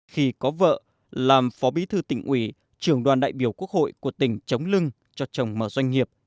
khi có vợ làm phó bí thư tỉnh ủy trường đoàn đại biểu quốc hội của tỉnh chống lưng cho chồng mở doanh nghiệp